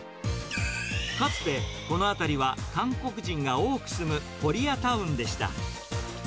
かつて、この辺りは韓国人が多く住むコリアタウンでした。